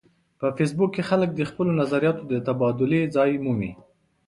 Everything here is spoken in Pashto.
په فېسبوک کې خلک د خپلو نظریاتو د تبادلې ځای مومي